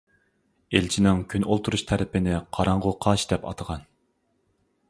ئىلچىنىڭ كۈن ئولتۇرۇش تەرىپىنى قاراڭغۇ قاش دەپ ئاتىغان.